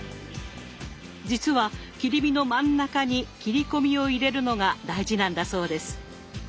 実は切り身の真ん中に切り込みを入れるのが大事なんだそうです。